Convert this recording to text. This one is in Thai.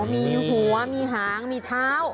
มีหัวมีหางมีเท้า